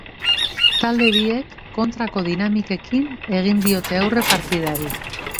Talde biek kontrako dinamikekin egin diote aurre partidari.